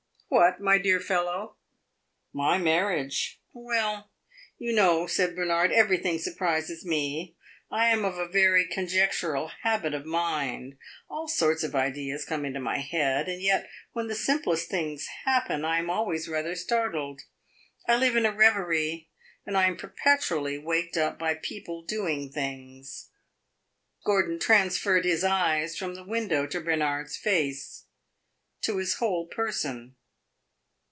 "What, my dear fellow?" "My marriage." "Well, you know," said Bernard, "everything surprises me. I am of a very conjectural habit of mind. All sorts of ideas come into my head, and yet when the simplest things happen I am always rather startled. I live in a reverie, and I am perpetually waked up by people doing things." Gordon transferred his eyes from the window to Bernard's face to his whole person.